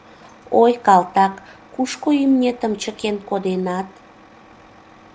Ой, калтак, кушко имнетым чыкен коденат?